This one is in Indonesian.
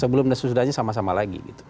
sebelum dan sesudahnya sama sama lagi